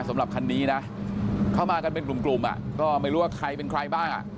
สำหรับคันนี้นะเข้ามากันเป็นกลุ่มอ่ะก็ไม่รู้ว่าใครเป็นใครบ้างอ่ะ